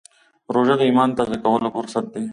روژه د ایمان تازه کولو فرصت دی.